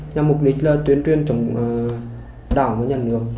nhằm mục đích tuyển truyền trọng đảo và nhân lực